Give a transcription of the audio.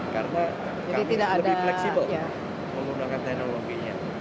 karena kami lebih fleksibel menggunakan teknologinya